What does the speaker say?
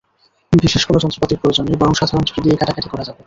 বিশেষ কোনো যন্ত্রপাতির প্রয়োজন নেই, বরং সাধারণ ছুরি দিয়েই কাটাকাটি করা যাবে।